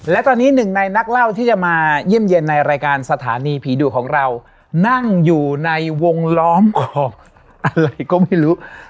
และตอนนี้หนึ่งในนักเล่าที่จะมาเยี่ยมเย็นในรายการสถานีผีดุของเรานั่งอยู่ในวงล้อมของอะไรก็ไม่รู้